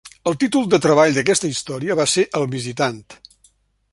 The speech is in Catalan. El títol de treball d'aquesta història va ser "El visitant".